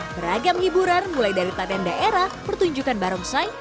beragam hiburan mulai dari tanda era pertunjukan barong saik